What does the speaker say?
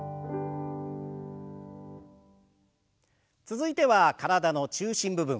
続いては体の中心部分。